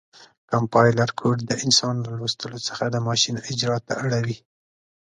کمپایلر کوډ د انسان له لوستلو څخه د ماشین اجرا ته اړوي.